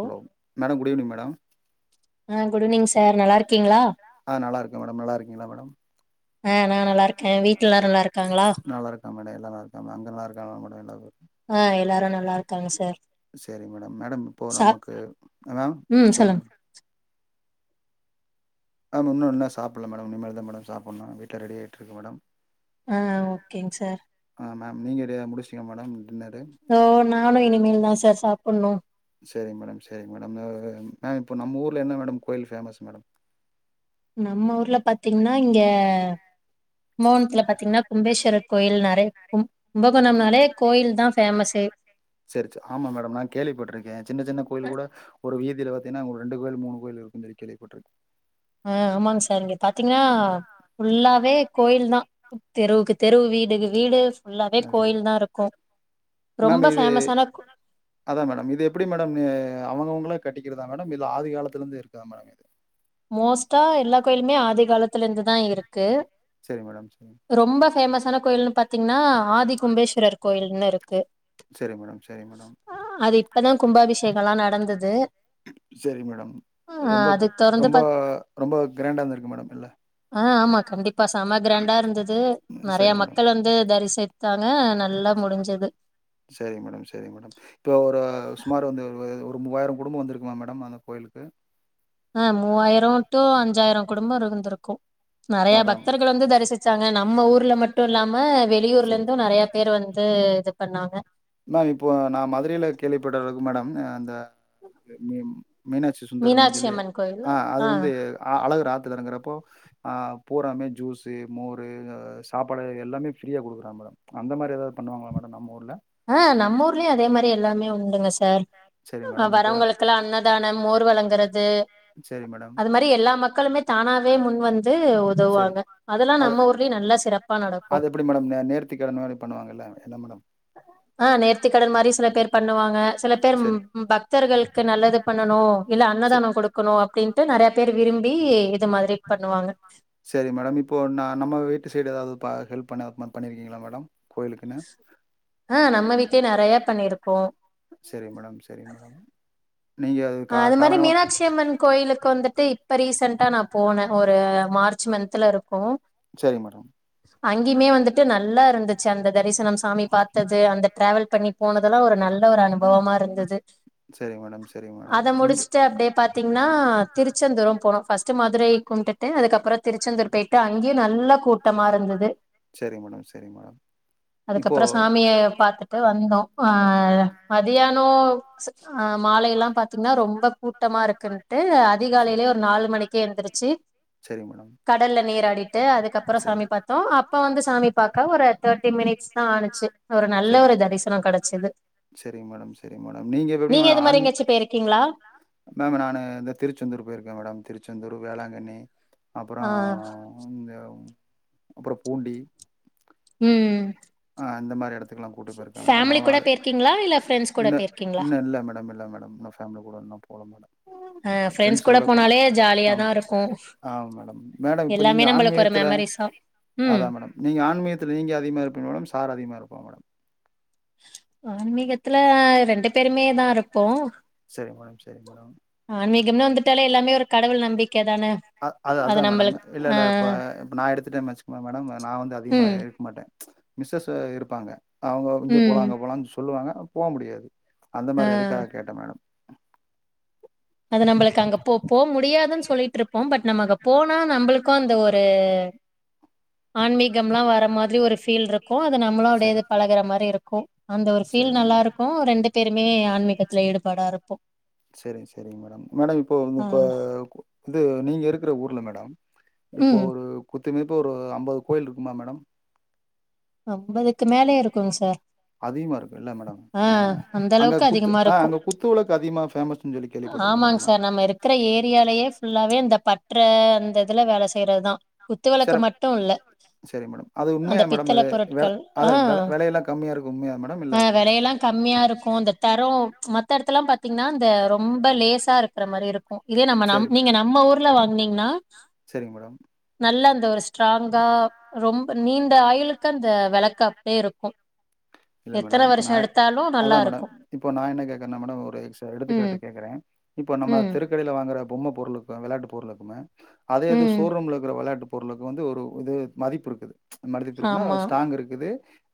Hello madam good evening madam ஆ good evening ஆ நல்லாருக்கே மேடம் நல்லாருக்கீங்ளா மேடம் ஆ நா நல்லா இருக்கே வீட்ல எல்லாரு நல்லா இருக்காங்களா நல்லாருக்கா மேடொ எல்லா நல்லாருக் மே அங்க‌ நல்லாருக்காங்ளா மேடோ எல்லா பேரு ஆ எல்லாரு நல்லாருக்காங்க சார் சேரிங் மேடம் மேடம் இப்போ சா நமக்கு எதா ம் சொல்லுங் சொல்லுங்க மேடம் நா இன்னு இன்னு சாப்புல மேடம் இனிமல் தா மேடம் சாப்புனு வீட்ல ரெடியாட்ருக்கு மேடம் ஆ ஓகேங் சார் ஆ மேம் நீங்க ரெடியா முடிச்ட்டீங்ளா மேடம் டின்னரு ஓ நானும் இனிமேல் தான் சார் சாப்பிடணும் சரிங்க மேடம் சரிங்க மேடம் மேம் இப்போ நம்ம ஊரில் என்ன மேடம் கோயில் ஃபேமஸ் மேடம் நம்ம ஊர்ல பாத்தீங்கன்னா இங்க கும்பகோணத்துல பாத்தீங்கன்னா கும்பேஸ்வரர் கோயில் நிறையஇருக்கும் கும்பகோணம்னாலே கோயில் தான் ஃபேமசே சரி சரி ஆமா மேடம் நான் கேள்விப்பட்டுட் ருக்கேன் சின்ன சின்ன கோயில் கூட ஒரு வீதியில பாத்தீங்கன்னாங்க ரெண்டு கோயில் மூணு கோயில் இருக்கும் தான் கேவிப்பப்பட்டிருக்கு ஆஹ் ஆமாங்க சார் இங்க பாத்தீங்கன்னா ஃபுல்லாவே கோயில் தான் தெருவுக்கு தெருவு வீடுக்கு வீடு ஃபுல்லாவே கோயில் தான் இருக்கும் ரொம்ப மேம் இது ஃபேமஸான கோ அதான் மேடம் இது எப்படி மேடம் நீ அவங்கவுங்களே கட்டிக்கிறதா மேடம் இதுல ஆதி காலத்துல இருந்தே இருக்கா மேடம் இது மோஸ்டா எல்லா கோயிலுமே ஆதி காலத்துல இருந்து தான் இருக்கு சரி மேடம் சரி ரொம்ப ஃபேமஸான கோயில்னு பாத்தீங்ன்னா ஆதிகும்பேஸ்வரர் கோயில்னு இர்கு சரி மேடம் சரி மேடம் அது இப்பதா கும்பாபிஷேகல்லா நடந்தது சரி மேடம் ஆ ரொம்ப அது தொறந்து ரொம்பொ பாத் ரொம்போ கிராண்டாருந்தருக்கு மேடம் இல்ல ஆ ஆமா கண்டிப்பா செம கிராண்டாருந் தது ம். நெறய சரி கிராண்ட். மேடம். மக்கள் வந்து தரிசித்தாங்க நல்லா முடிஞ்சிது சரிங் மேடம் சரிங்க மேடம் இப்போ ஒரு சுமார் வந்து ஒரு மூவாயிரோ குடும்பம் வந்திருக்குமா மேடம் அந்த கோயிலுக்கு ஆ மூவாயிர டு அஞ்சாயிர குடும்பம் இருந்திருக்கு நறையா அதான். பக்தர்கள் வந்து தரிசிச்சாங்க நம்ம ஊர்ல மட்டுல்லாம சரி. வெளியூர்லருந்தும் நறையா பேரு வந்து இது பண்ணாங்க மேம் இப்போ நான் மதுரைல கேள்விப்படறது மேடம் அந்த ம மீனாட்சி சுந்தரம் னு மீனாட்சி சொல்லி அம்மன் கோயில் ஆ அது வந்து ஆ அழகர் ஆத்தலறங்குறப்போ ஆ பூராமே ஜூஸு மோரு எ சாப்பாடு எல்லாமே ஃப்ரீயா குடுக்குறாங்க மேடம் அந்த மாரி ஏதாது பண்ணுவாங்களா மேடம் நம்ம ஊர்ல ஆ நம்ம ஊர்லயு அதே மாரி எல்லாமே உண்டுங்க சார் சரி அ மேடம் இப்ப வரவங்களுக்கெல்லா அன்னதான மோர் வழங்குறது சரிங் மேடம் அது மாரி எல்லா மக்களுமே தானாவே முன் வந்து சரி உதவுவாங்க அதெல்லா அது நம்ம ஊர்லயு நல்லா சிறப்பா அது நடக்கும் எப்டி மேடம் நே நேர்த்தி கடன் மாரி பண்ணுவாங்கல்ல என்ன மேடம் ஆ நேர்த்திக்கடன் மாரி சில பேர் பண்ணுவாங்க சில பேர் சரி ம் பக் தர்களுக்கு நல்லது பண்ணணு இல்ல ச அன்னதான கொடுக்கணு அப்படின்டு நெறையா பேர் விரும்பி இது மாதிரி பண்ணுவாங்க சரி மேடம் இப்போ நா நம்ம வீட்டு சைடு ஏதாது பா ஹெல்ப் பண்த பண்ணியிருக்கீங்களா மேடம் கோயிலுக்குன்னு ஆ நம்ம வீட்லயு நறையா பண்ணிருக்கோ சரி மேடம் சரி மேடம் நீங்க அ கா அது மாரி காலங்காலம் மினாட்சியம்மன் கோயிலுக்கு வந்துட்டு இப்ப ரீசண்டா நா போனே ஒரு மார்ச் மன்த்லருக்கும் சரி மேடம் அங்கிமே வந்துட்டு நல்லாருந்துச்சு அந்த தரிசனோ சாமி பாத் தது அந்த டிரவல் பண்ணி போனதெல்லா ஒரு நல்ல ஒரு அனுபவமாருந்தது சரிங் மேடம் சரி அத முடிச்சுட்டு அப்டியே பாத்தீங்கன்னா திருச்செந்தூரும் போனோ ஃபர்ஸ்ட்ட மதுரை கும்பிட் டு அதுக்கப்புறோ திருச்செந்தூர் போயிட்டு அங்கயு நல்ல கூட்டமாருந்தது சரிங் மேடம் சரி அதுக்கப்பறோ சாமிய பாத்துட்டு வந்தோ ஆ மதியானோ ச அ மாலைல பாத்தீங்கன்னா ரொம்ப கூட்டமா இருக்குன்ட்டு சரி அதிகாலைலே ஒரு நாலு மணிக்கி ஏந்திருச்சி சரிங் மேடம் கடல்ல நீராடிட் டு அதுக்கப்பறோ சரி சாமி பாத்தோ அதுக்கப்புறம் அப்ப வந்து சாமி பாக்க ஒரு தேர்ட்டி மினிட்ஸ் தா ஆனுச்சு ஒரு நல்ல சரி ஒரு தரிசனோ கெடச்சது சரிங் மேடம் சரிங் மேடம் நீங்க எப்டி மேடம் ஆன் எங்கச்சி பேய்ருக்கீங்ளா மேம் நா இந்த திருச்செந்தூர் போயிருக்கே மேடம் திருச்செந்தூர் வேளாங்கண்ணி அப்பறோ ஆ இந்த அப்பறோ பூண்டி ம் ம் ஆ இந்த மாரி எடத்துக்லா கூட்டு போயிருக்க மேடம் நா ஃபேமிலி கூட போயிருக்கீங்களா இல்ல ஃப்ரெண்ட்ஸ் கூட இல்ல போயிருக்கீங்களா இல்லல்ல மேடம் இல்ல மேடம் பேமில கூடனா போல மேடம் ஆ அ ஃப்ரெண்ட்ஸ் கூட போனாலே ஜாலியாதா இருக்கு ஆம் மேடம் மேடம் இப்போ எல்லாமே நீங்க நம்மளுக்கு ஒரு ஆன்மீகத்துல மெமரிஸா ம் அதா மேடம் நீங்க ஆன்மீகத்ல நீங்க அதிகமா இருப்பிங்களாடம் சார் அதிகமா இருப்பா மேடம் ஆன்மீகத்துல ரெண்டு பேருமே தா இருப்போ சரிங்க மேடம் சரிங் மேடம் ஆன்மீகம்னு ஆன்மீகம் வந்துட்டாலே எல்லாமே ஒரு கடவுள் நம்பிக்க தான அ அது அதுதா மேடம் நம்மளுக்கு இல்ல ஆ இல்ல இப்போ இப்போ நா எடுத்துட்டே வச்சுக்கோங்க மேடம் நா வந்து அதிகமா ம் இருக்கமாட்டே மிஸ்ஸஸ் இருப்பாங்க அவங்க இங்க ம் போலா அங்க போலானு சொல்லுவாங்க போ முடியாது அந்த ஆ மாரி எதுக்காக கேட்ட மேடம் அது நம்மளுக்கு அங்க போ போ முடியாதுனு சொல்லிட்ருப்போம் பட் நம்ம அங்க போனா நம்மளு க் அந்த ஒரு ஆன்மீகம்லா வர மாதிரி ஒரு ஃபீல் இருக்கு அது சரி நம்மளோடையே சரி பழகுற மாரி இருக்கு அந்த ஒரு ஃபீல் சேரி மேடம் நல்லாருக்கு ரெண்டு பேருமே ஆன்மீகத்துல ஈடுபாடா இருப்போ சேரி சேரிங்க மேடம் மேடம் இப்போ ஆ வந்து நீங்க இருக்குற ஊர்ல மேடம் இப்போ ம் ஒரு குத்துமதிப்பா ஒரு அம்பது கோயில் இருக்குமா மேடம் அம்பதுக்கு மேலே இருக்குங்க சார் அதிகமா இருக்குல்ல மேடம் ஆ அந்த அங்க அளவுக்கு குத்து அதிகமா ஆ இருக்கு அங்க குத்து வெளக்கு அதிகமா பேமஸ்னு சொல்லி கேள்விப்பட்டுருக்கே மேடம் இருக்ற ஏரியாலேயே ஃபுல்லாவே இந்த பட்ற அந்த இதுல வேல செய்றதுதா குத்துவெளக்கு சேரி மட்டு இல்ல அந்த அத பித் வெல அதா வெல வெலயெல்லா கம்மியா இருக்கு உண்மயா மேடம் ஆ இல்ல எப்டி மேடம் வெலையெல்லா கம்மியா இருக்கு அந்த தரோ மத்த எடத்தல்லா பாத்தீங்கன்னா இந்த ரொம்ப லேசா இருக்ற மாரி இருக் கு இதே நம் நீங்க நம்ம ஊர்ல வாங்னீங்கன்னா செரிங் மேடம் நல்லா அந்த ஒரு ஸ்ட்ராங்கா ரொம்ப நீண்ட ஆயுலுக்கு அந்த வெளக்கு அப்டியே இருக்கு இல்ல மேடம் எத்தன இப்ப வருஷ நா எடுத்தாலு அதா நல்லா மேடம் இருக்கு இப்போ நா என்ன கேக்கறனா மேடம் ஒரு எக்ஸ் எடுத்துக்காட்டு ம் கேக்கற இப்போ நம்ம ம் தெருக்கடையில வாங்கற பொம்ம பொருளுக்கு வெளாட்டு பொருளுக்குமே அதே அது ம் ஷோரூம்லகிற வெளாட்டு பொருளுக்கு வந்து ஒரு இது மதிப்பு இருக்குது மதிப்பு இருக்குன்னா ஆமா ஸ்ட்ராங் இருக்குது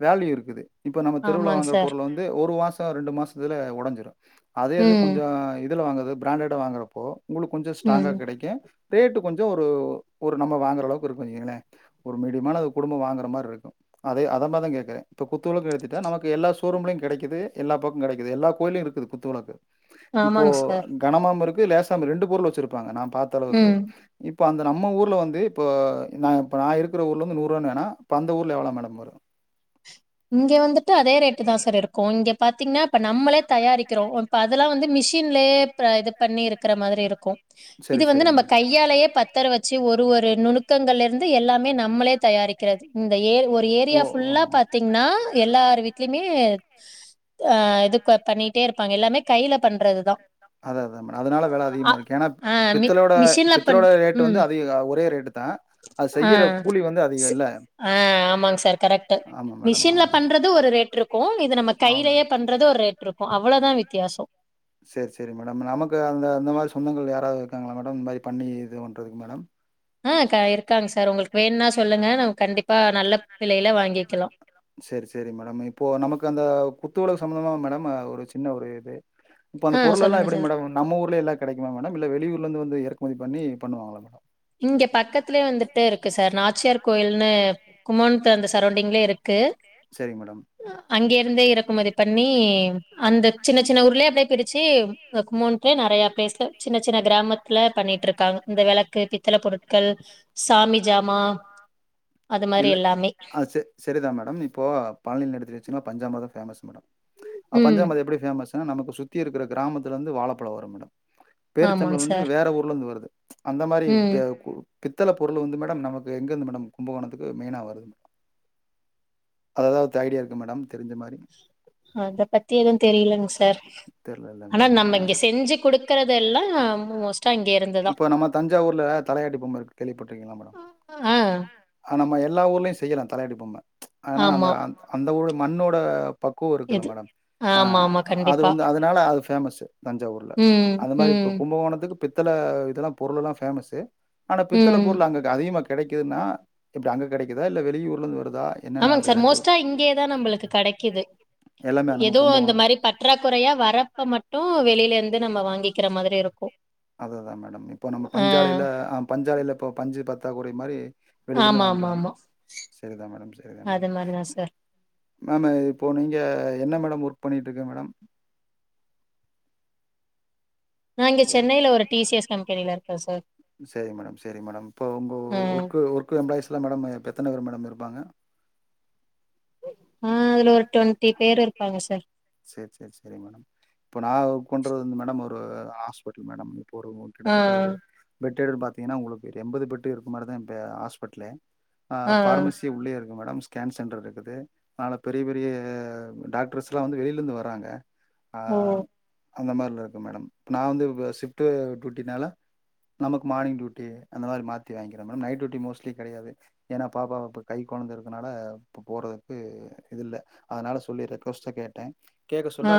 வேல்யூ இருக்குது இப்ப நம்ம தெருவுல ஆமாங் வாங்கற சார் பொருள வந்து ஒரு மாசம் ரெண்டு மாசத்துல ஒடஞ்சிரு அதே இது ம் கொஞ்சோ இதுல வாங்கறது பிராண்டடா வாங்கறப்போ உங்களுக்கு கொஞ்சோ ஸ்ட்ராங்கா ம் கெடைக்கும் ரேட்டு கொஞ்சோ ஒரு ஒரு நம்ம வாங்கற அளவுக்கு இருக்கு வைங்கள ஒரு மீடியமான குடும்பம் வாங்கற மாரி இருக்கும் அதே அத மாறி தா கேக்கற இப்ப குத்துவெளக்கு எடுத்திட்டா நமக்கு எல்லா ஷோரூம்லயு கெடைக்குது எல்லா பக்கு கெடைக்குது எல்லா கோயிலயு இருக்குது குத்துவெளக்கு இப்போ ஆமாங் சார் கனமாம இருக்கு லேசா ரெண்டு பொருள் வச்சிருப்பாங்க நா பாத்த அளவுக்கு ம் இப்போ அந்த நம்ம ஊர்ல வந்து இப்போ நா இப்ப நா இருக்கற ஊர்ல வந்து நூறுவானானா இப்ப அந்த ஊர்ல எவ்ளோ மேடம் வரும் இங்க வந்துட்டு அதே ரேட்டு தா சார் இருக்கும் இங்க பாத்தீங்கன்னா இப்ப நம்மளே தயாரிக்கிறோ ஒன் பாத் அதல்லா வந்து மிஷின்லே இது பண்ணி இருக்கற மாதிரி இருக்கும் சரி இது வந்து சரி நம்ம மேடம் கையாலேயே பத் தர வச்சி ஒரு ஒரு நுணுக்கங்களருந்து எல்லாமே நம்மளே தயாரி க்கிறது இந்த ஏர் ஒரு ஏரியா ஓ ஓ ஃபுல்லா ஓ. பாத் தீங்ன்னா எல்லார் வீட்லயுமே ஆ இது க பண்ணி அதா அதா மேடம் அதனால வெல ஆ அதிகமா இருக்கு ஏன்னா ப் ஆ மி பித்தளயோட மிஷின்ல பித் பண் தளயோட ரேட்டு வந்து ம் அதிக ஒரே ரேட்டு தா அது ஆ செய்யற கூலி வந்து அதிக ஸ் இல்ல ஆ ஆமாங் சார் கரெட்டு ஆமா மேடம் மிஷின்ல ஆமா பண்றது ஒரு ரேட் இருக்கும் இது நம்ம ஆமா கையிலேயே மேடம் பண்றது ஒரு ரேட் இருக்கும் அவ்ளோதா வித்தியாசம் சேர் சேரி மேடம் நமக்கு அந்த அந்த மாரி சொந்தங்கள் யாராவது இருக்காங்களா மேடம் இந்த மாரி பண்ணி இது பண்றதுக்கு மேடம் ஆ க இருக்காங்க சார் உங்களுக்கு வேணுனா சொல்லுங்க நம்ம கண்டிப்பா நல்ல வெலையில வாங்கிக்கிலா சேரி சேரி மேடம் இப்போ நமக்கு அந்த குத்துவெளக்கு சம்மந்தமா மேடம் ஒரு சின்ன ஒரு இது இப்போ அந்த ஆ பொருளெல்லா சொல்லுங்க எப்டி சார் மேடம் நம்ம ஊர்லே எல்லா கெடைக்குமா மேடம் இல்ல வெளியூர்ல இருந்து வந்து எறக்குமதி பண்ணி பண்ணுவாங்களா மேடம் இங்க பக்கத்திலே வந்துட்டு இருக்கு சார் நாச்சியார் கோயில்ன்னு குமண்த்து அந்த சரோண்டிங்லே இருக்கு சேரிங்க மேடம் அங்கே இருந்தே இறக்குமதி பண்ணி அந்த சின்ன சின்ன ஊர்லே அப்டே கெடச்சி கும்மோன்க்கே நறையா பிளேஸ்ல சின்ன சின்ன கிராம த்தில பண்ணிட்டுருக்காங்க இந்த வெளக்கு பி த்தல பொருட்கள் சாமி ஜாமா அது மாரி எல்லாமே செ செரிதா மேடம் இப்போ பழனில எடுத்து வச்சிங்கனா பஞ்சாமிர்தோ பேமஸ் மேடம் ம் பஞ்சாமி எப்டி ஃபேமஸ்னா நமக்கு சுத்திருக்கிற கிராமத்துல வந்து வாழப்பழம் வரு மேடம் பேர்ச்சம்பளோ ஆமாங் வந்து சார். வேற ஊர்லருந்து வருது அந்த மாரி ம். பே கு பித்தள பொருள் வந்து மேடம் நமக்கு எங்கிருந்து மேடம் கும்பகோணத்துக்கு மெயினா வருது அத தவத்த ஐடியா இருக்கா மேடம் தெரிஞ்சமாரி அத பத்தி எதுவு தெரியலங்க சார் தெர்லல்ல ஆனா மேடம் நம்ம இங்க செஞ்சி கொடுக்கறதெல்லா மோஸ்ட்டா இங்க இருந்துதா இப்ப நம்ம தஞ்சாவூர்ல தலையாட்டி பொம்ம இருக்கு கேள்விப்பட்டுருக்கீங்களா மேடம் ஆ ஆ நம்ம எல்லா ஊர்லயு செய்யலா தலையாட்டி பொம்ம ஆனா அந்த ஆமா. அந் அந்த ஊர் மண்ணோட பக்குவோ இருக்கு இல்ல இது மேடம் ஆமாமா ஆ அது கண்டிப்பா. வந்து அதனால அது பேமஸு தஞ்சாவூர்ல ம், அந்த மாரி இப்ப ம், கு கும்பகோனத்துக்கு பித்தள இதெல்லா பொருளல்லா பேமஸு ஆன பித்தள ம். பொருள் அங்க அதிகமா கெடைக்குதுன்னா எப்டி அங்க கெடைக்குதா இல்ல வெளியூர்ல இருந்து வர்தா ஆமாங் சார் மோஸ்டா இங்கேதா நம்பளுக்கு கெடைக்குது எல்லாமே நம்ம எதுவு இந்த கும்பகோணம் மாரி பற் றாக்குறையா வரப்ப மட்டு வெளிலருந்து நம்ம வாங்கிக்கிற மாதிரி இருக்கும் அதுதா மேடம் இப்போ நம்ம ஆ பஞ்சாலையில அ பஞ்சாலையில இப்போ பஞ்சு பத்தா குறை மாரி வெளிலந்து வாய்ன்குவாங் ஆமாமாமா. சரிதா மேடம் சரிதா அது மேடம் மாரி தான் சார். மேம் இப்போ நீங்க என்ன மேடம் ஒர்க் பண்ணிட்டுருக்க மேடம் நா இங்க ஹலோ சென்னைல ஒரு டி சி எஸ் கம்பெனில இருக்கே சார் சேரி மேடம் சேரி மேடம் இப்போ ஒங்க ஆ. ஒர்க்கு ஒர்க்கு எம்ப்ளாய்ஸ்லா மேடம் இப்ப எத்தன பேர் மேடம் இருப்பாங்க ம் இதுல ஒரு டுவென்ட்டி பேர் இருப்பாங்க சார் சேர் சேர் சேரிங்மா இப்ப நா ஒர்க் பண்றது வந்து மேடம் ஒரு ஹாஸ்பிட்டல் மேடம் இப்ப ஒரு ஆ, கிட்டத்தட்ட ஒரு பெட் எதிர் பாத்தீங்கன்னா உங்ளுக்கு எம்பது பெட்டுருக்கு மாரிதா இப்ப ஹாஸ்பிட்லே அ ஆ. பார்மசி உள்ளேயேருக்கு மேடம் ஸ்கேன் சென்டர்ருக்குது அனால பெரிய பெரிய அ டாக்டர்ஸ்ல்லா வந்து வெளிலந்து வராங்க ஆ ஓ! அந்த மாரிலருக்குது மேடம் இப்போ நா வந்து இப்ப ஷிஃப்ட்டு டியூட்டினால நமக்கு மார்னிங் டியூட்டி அந்த மாரி மாத்தி வாய்ன்க்றே மேடம் நைட் டூட்டி மோஸ்ட்லி கெடயாது ஏனா பாப்பா இப்போ கை கொழந்த இருக்கனால இப்ப போறதுக்கு இது இல்ல அதனால சொல்லிறது ரெக்வஸ்ட்டா கேட்டே கேக்க ஆ சொல்ல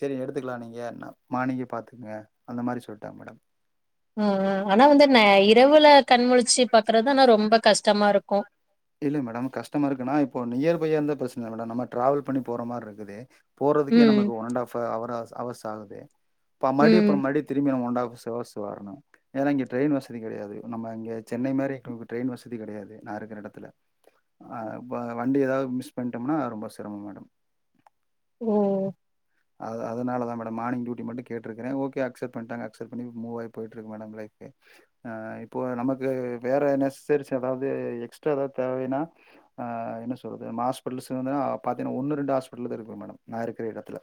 சேரி எடுத்துக்லா நீங்க மார்னிங்கே பாத்துக்குங்க அந்த மாரி சொல்ட்டாங்க மேடம் அ அ ஆனா வந்து ந இரவுல கண்முழிச்சு பாக்குறது ஆனா ரொம்ப கஷ்டமாருக்கு இல்லக மேடம் கஷ்டமாருக்குன்னா இப்போ நியர் பையா இருந்த பிரச்சன இல்ல மேடம் நம்ம டிராவல் பண்ணி போறமாருக்குது போறதுக்கே ம், நமக்கு one and half hours hours of ப மறுடி ம், அப்றோ மறுடி திரும்பி நம்ம ஒன்டாஃப்ஸ் அவர்ஸ் வர்ணு ஏன்னா இங்க ட்ரெயின் வசதி கெடயாது நம்ம இங்க சென்னை மாரி நமக்கு ட்ரெயின் வசதி கெடயாது நா இருக்ற எடத்துல அ வ வண்டி ஏதாவது மிஸ் பண்ட்டோம்னா ரொம்ப சிரமம் மேடம் ஓ அது அதனாலாதா மேடம் மார்னிங் டியூட்டி மட்டு கேட்டுருக்றே ஓகே அக்ஸப்ட் பண்ட்டாங்க அக்ஸப்ட் பண்ணி மூவாயி போயிட்ருக்கு மேடம் லைஃபு அ இப்போ நமக்கு வேற நெசசரிஸ் ஏதாவது எக்ஸ்ட்ரா எதாவது தேவைன்னா அ என்ன சொல்றது மா ஹாஸ்ப்ல்ஸு வந்துனா பாத்தீங்னா ஒன்னு ரெண்டு ஹாஸ்பிட்டுல்தாருக்குது மேடம் நா இருக்ற எடத்துல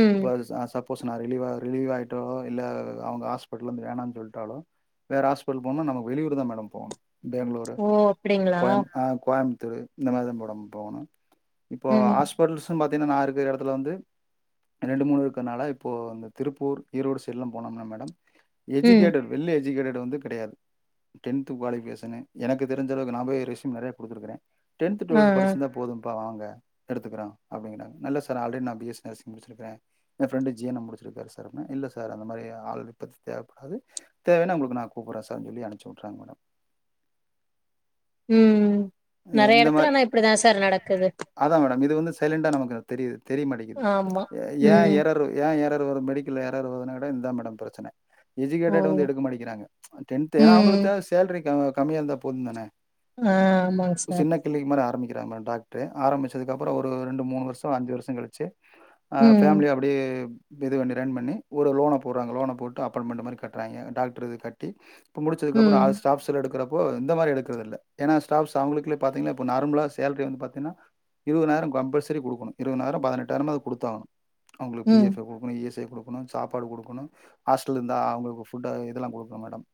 ம், இப்ப அது ச சப்போஸ் நா ரிலீவா ரிலீவாயிட்டாலோ இல்ல அவங்க ஹாஸ்பிட்ல்லருந்து வேணானு சொல்ட்டாலோ வேற ஹாஸ்பிடல் போணுனா நம்ம வெளியூர்தா மேடம் போணு பேங்ளூர் ஓ! அப்டிங்களா? கோயம் அ கோயம்புத்தூரு இந்த மாரிதா மேடம் போணு இப்போ ம், ஹாஸ் பிட்டஸ்ஸு பாத்தீனா நா இருக்குற எடத் துல வந்து ரெண்டு மூணு இருக்கனால இப்போ அந்த திருப்பூர் ஈரோடு சைட்லா போனோம்னா மேடம் ம், எஜிகேட்டட் வெல் எஜிகேட்டட் வந்து கெடயாது டென்த் குவாலிஃபிகேஷனு எனக்கு தெரிஞ்சளவுக்கு நா போய் ரெஸ்யூம் நறைய குடுத்துருக்குறே டென்த் ஆ, டுவெல்த் ஆ, படிச்சிருந்தா போதும்ப்பா வாங்க எடுத்துக்குறோ அப்டிங்றாங்க நல்ல ஸ்கூ சார் ஆல்ரெடி நா பிஎஸ்னஸ் முடிச்சுருக்கே ஏ ஃப்ரெண்டு ஜீ எம் நம்பர் வச்சிருக்காரு சார் அப்டினா இல்ல சார் அந்த மாரி ஆள் இப்ப தேவப்படாது தேவனா உங்ளுக்கு நா கூப்புற சார்னு சொல்லி அனுப்ச்சு வுட்றாங்க மேடம் ம் நறைய எடத்துல ஆனா இப்டிதா சார் நடக்குது அதா மேடம் இது வந்து சைலண்டா நமக்கு தெரியுது தெரியமாட்டேக்குது ஆமா. ஏ ம், எரர் ஏ எரர் வரு மெடிக்கல்ல எரர் வருதுனாவோட இதா மேடம் பிரச்சன ஓ! எஜிகேட்டடட் வந்து எடுக்க மாட்டேக்கிறாக டென்த் ஏனா ம், அவுங்ளுக்கு தேவ சேல்ரி க கம்மியா இருந்தா போது தானே ஆ ஆமாங் ஒரு சின்ன க்ளினிக் மாரி ஆரம்பிக்கிறாங்க மேடம் டாக்ட்ரு ஆரம்பிச்சதுக்கப்றோ ஒரு ரெண்டு மூணு வருஷோ அஞ்சு வருஷோ கழுச்சு ஆ ம், ஃபேம்லி அப்டியே இதுபண்ணி ரன் பண்ணி ஒரு லோன போட்றாங்க லோன போட்டு அப்பார்ட்மெண்ட் மாரி கட்டுறாங்கே டாக்டர் இது கட்டி இப்ப முடிச்சதுக்கப்புறோ ம், அத ஸ்டாஃப்ஸுலா எடுக்குறப்போ இந்த மாரி எடுக்கறதில்ல ஏனாஸ் ஸடாப்ஸ் அவுங்களுக்குள்ளே பாத்தீங்னா இப்போ நார்முலா சேல்ரி வந்து பாத்தினா இருவுதுனாய்ரோ கம்பல்சரி குடுக்குணு இருவுதுனாய்ரோ பதினெட்டாய்ரோமாது குடுத்தாகனு அவுங்ளுக் பி ம். எஃபவு இ எஸ் ஜ ய குடுக்குணு சாப்பாடு குடுக்குணு ஹாஸ்டல்ல இர்ந்தா அவுங்குளுக்கு ஃபுட்ட இதெல்லா குடுக்குணு மேடம்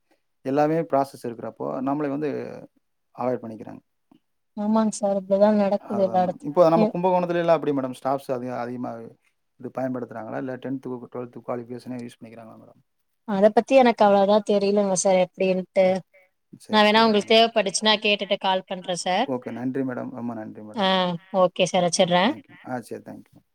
எல்லாமே ப்ராசஸ் இருக்கிறப்போ நம்ள வந்து அவாய்ட் பண்ணிக்கிறாங்க ஆமாங் சார் அப்டிதா நடக்குது எல்லா எடத்துல் கும்பகோணத்துலலா எப்டி மேடம் ஸ்டாஃப்ஸு அதிக அதிகமாகு இது பயன்படுத்துறாங்களா இல்ல டென்த்துகபு டொல்த்து குவாலிபிகேஷனே யூஸ் பண்ணிகிறாங்ளா மேடம் அத பத்தி எனக்கு அவ்ளவா தெரிலங்க சார் எப்டின்ட்டு நா சரி வேணா சரி உங்களுக் மேடம் தேவப்பட்டுச்சுனா கேட்டுட்டு கால் பண்ற சார் ஓகே நன்றி மேடம் ரொம்ப ஆ ஓ கே சார் வச்சிட்ற அ சேரி தேங்க் யூ மா